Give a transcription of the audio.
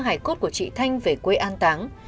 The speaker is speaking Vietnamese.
hải cốt của chị thanh về quê an táng